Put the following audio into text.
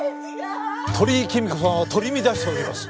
鳥居貴美子さんは取り乱しております。